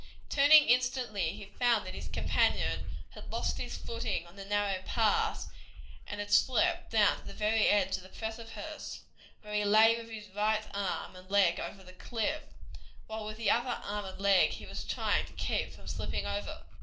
Turning instantly he found that his companion had lost his footing on the narrow pass, and had slipped down to the very edge of the precipice, where he lay with his right arm and leg over the cliff, while with the other arm and leg he was trying to keep from slipping over.